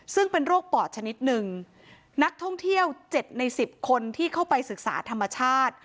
ซึ่งเป็นโรคปอดชนิดหนึ่งนักท่องเที่ยว๗ใน๑๐คนที่เข้าไปศึกษาธรรมชาติ